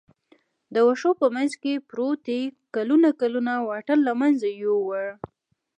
د وښو په منځ کې پروتې کلونه کلونه واټن له منځه یووړ.